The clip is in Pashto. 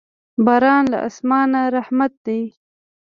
باران له اسمانه رحمت دی.